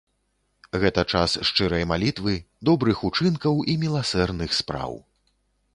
Гэта час шчырай малітвы, добрых учынкаў і міласэрных спраў.